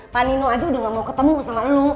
pak nino aja udah gak mau ketemu sama nu